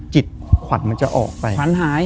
จิตขวัญมันจะออกไปขวัญหาย